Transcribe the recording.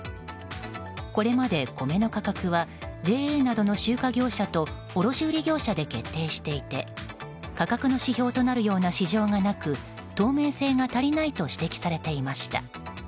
これまで米の価格はＪＡなどの集荷業者と卸売業者で決定していて価格の指標となるような市場がなく透明性が足りないと指摘されていました。